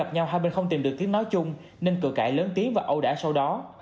người nói chung nên cửa cãi lớn tiếng và ấu đả sau đó